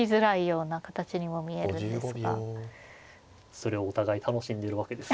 それをお互い楽しんでいるわけです。